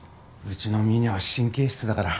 うちのみーにゃは神経質だから。